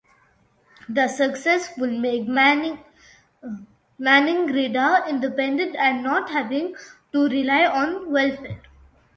Its success would make Maningrida independent and not having to rely on welfare.